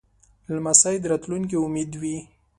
لمسی د راتلونکې امید وي.